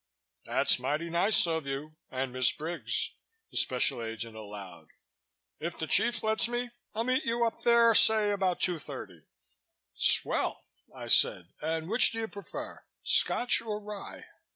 "That's mighty white of you and Miss Briggs," the Special Agent allowed. "If the chief lets me, I'll meet you up there, say about 2:30." "Swell!" I said. "And which do you prefer Scotch or rye?"